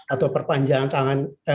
atau perpanjangan masa jualan